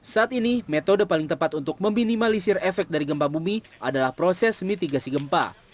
saat ini metode paling tepat untuk meminimalisir efek dari gempa bumi adalah proses mitigasi gempa